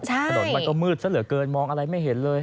ถนนมันก็มืดซะเหลือเกินมองอะไรไม่เห็นเลย